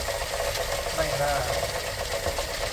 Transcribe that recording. ไม่น่า